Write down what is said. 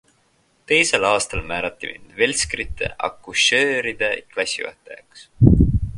Teisel aastal määrati mind velskrite-akušööride klassijuhatajaks.